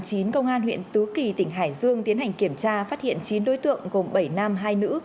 công an huyện tứ kỳ tỉnh hải dương tiến hành kiểm tra phát hiện chín đối tượng gồm bảy nam hai nữ